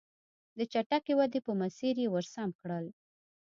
د چټکې ودې په مسیر یې ور سم کړل.